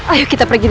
aku harus membantu